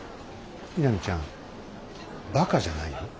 みなみちゃんバカじゃないよ。